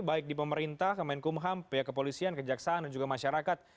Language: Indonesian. baik di pemerintah kemenkumham pihak kepolisian kejaksaan dan juga masyarakat